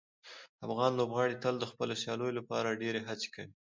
افغان لوبغاړي تل د خپلو سیالیو لپاره ډیرې هڅې کوي.